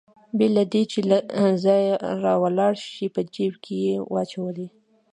بې له دې چې له ځایه راولاړ شي په جېب کې يې واچولې.